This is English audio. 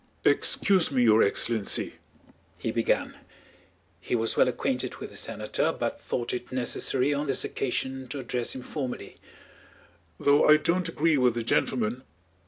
"Excuse me, your excellency," he began. (He was well acquainted with the senator, but thought it necessary on this occasion to address him formally.) "Though I don't agree with the gentleman..."